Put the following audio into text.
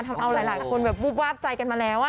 ทำเอาหลายคนแบบวูบวาบใจกันมาแล้ว